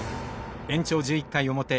延長１１回表。